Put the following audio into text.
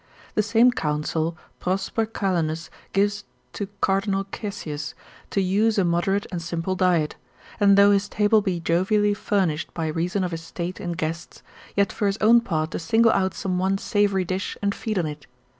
The same counsel Prosper Calenus gives to Cardinal Caesius, to use a moderate and simple diet: and though his table be jovially furnished by reason of his state and guests, yet for his own part to single out some one savoury dish and feed on it.